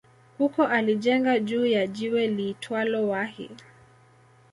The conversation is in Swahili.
Huko alijenga juu ya jiwe liitwalo Wahi